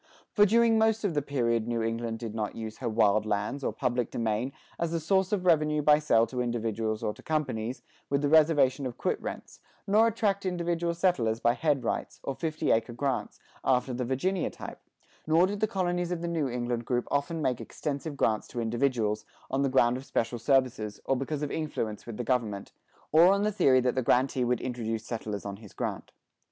For during most of the period New England did not use her wild lands, or public domain, as a source of revenue by sale to individuals or to companies, with the reservation of quit rents; nor attract individual settlers by "head rights," or fifty acre grants, after the Virginia type; nor did the colonies of the New England group often make extensive grants to individuals, on the ground of special services, or because of influence with the government, or on the theory that the grantee would introduce settlers on his grant.